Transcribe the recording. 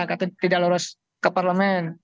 kata tidak lulus ke parlemen